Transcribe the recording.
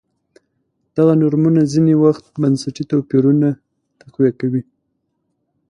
دغه نورمونه ځیني وخت بنسټي توپیرونه تقویه کوي.